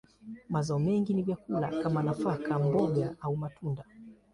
Mazao mengi ni vyakula kama nafaka, mboga, au matunda.